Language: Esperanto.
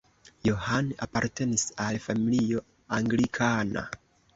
John apartenis al familio anglikana.